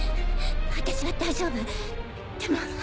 私は大丈夫でも。